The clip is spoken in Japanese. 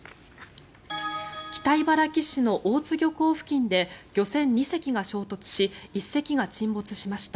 北茨城市の大津漁港付近で漁船２隻が衝突し１隻が沈没しました。